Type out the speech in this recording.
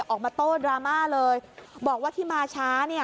ออกมาโต้ดราม่าเลยบอกว่าที่มาช้าเนี่ย